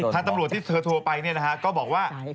ทางตำรวจที่เธอโทรไปเนี่ยนะฮะก็บอกว่า